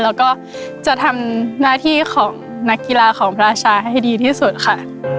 แล้วก็จะทำหน้าที่ของนักกีฬาของพระราชาให้ดีที่สุดค่ะ